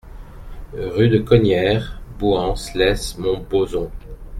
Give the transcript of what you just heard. Rue de Cognières, Bouhans-lès-Montbozon